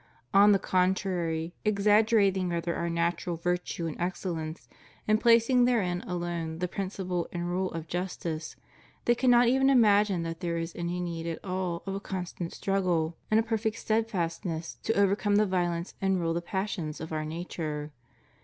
On the contrary, exaggerating rather our natural virtue and excellence and placing therein alone the principle and rule of justice, they cannot even imagine that there is any need at all of a constant struggle and a perfect steadfastness to overcome the violence and rule the passions of our nature.